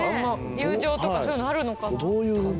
友情とかそういうのあるのかな？